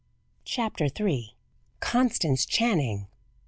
CHAPTER III. CONSTANCE CHANNING.